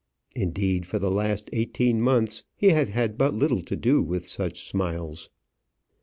Indeed, for the last eighteen months he had had but little to do with such smiles.